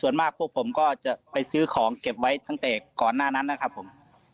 เฉยผมก็จะไปซื้อของเก็บไว้ตั้งแต่ก่อนหน้านั้นครับผม